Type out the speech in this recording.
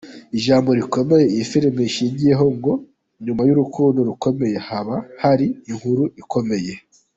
Ijambo rikomeye iyi filime ishingiyeho ngo: "inyuma y'urukundo rukomeye, haba hari inkuru ikomeye".